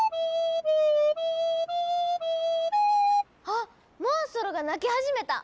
あっモンストロが鳴き始めた！